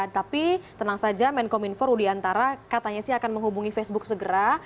tapi tenang saja menkominfo rudiantara katanya sih akan menghubungi facebook segera